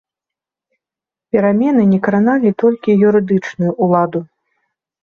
Перамены не краналі толькі юрыдычную ўладу.